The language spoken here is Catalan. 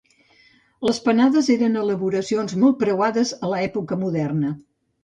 Les panades eren elaboracions molt preuades a l’època moderna.